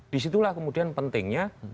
disitulah kemudian pentingnya